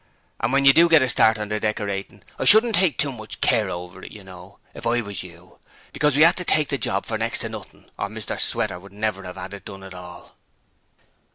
And when you do get a start on the decoratin', I shouldn't take too much care over it, you know, if I was you, because we 'ad to take the job for next to nothing or Mr Sweater would never 'ave 'ad it done at all!'